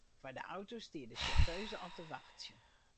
Foar de auto stie de sjauffeuze al te wachtsjen.